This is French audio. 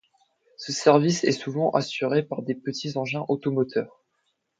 Ce service est souvent assuré par des petits engins automoteur.